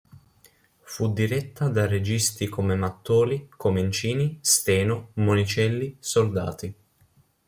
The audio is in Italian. Fu diretta da registi come Mattoli, Comencini, Steno, Monicelli, Soldati.